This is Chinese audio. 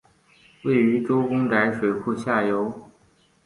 位于周公宅水库下游。